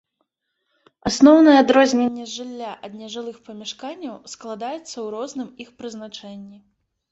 Асноўнае адрозненне жылля ад нежылых памяшканняў складаецца ў розным іх прызначэнні.